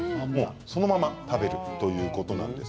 そのまま食べるということなんです。